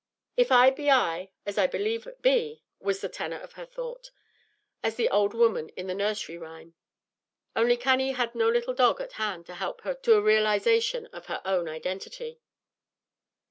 "If it be I, as I believe it be," was the tenor of her thought, as of the old woman in the nursery rhyme; only Cannie had no little dog at hand to help her to a realization of her own identity.